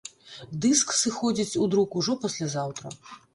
Дыск сыходзіць у друк ужо паслязаўтра!